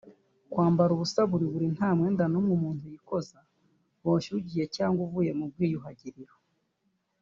Kwambara ubusa buri buri nta mwenda n’umwe umuntu yikoza boshye ugiye cyangwa uvuye mu rwiyuhagiriro